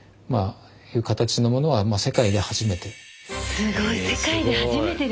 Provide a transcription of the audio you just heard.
すごい世界で初めてですって！